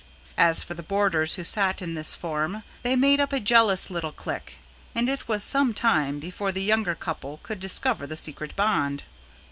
As for the boarders who sat in this form, they made up a jealous little clique, and it was some time before the younger couple could discover the secret bond.